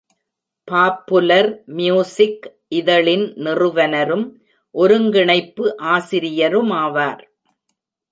"Popular music" இதழின் நிறுவனரும் ஒருங்கிணைப்பு ஆசிரியருமாவார்.